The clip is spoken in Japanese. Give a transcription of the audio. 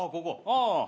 うん。